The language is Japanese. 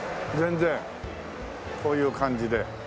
こういう感じで。